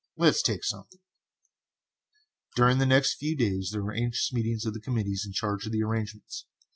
Let's take something." During the next few days there were anxious meetings of the committees in charge of the arrangements.